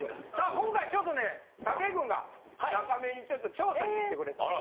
今回ちょっとね武井君がなかめにちょっと調査に行ってくれてます。